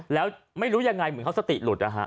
แล้วไม่รู้ยังไงเหมือนเขาสติหลุดนะฮะ